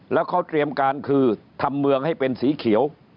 แล้วเขาเตรียมการคือทำเมืองให้เป็นสีเขียว